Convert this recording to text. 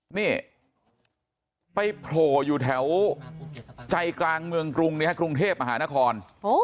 นี่ไปโผล่อยู่แถวใจกลางเมืองกรุงกรุงเทพมหานคร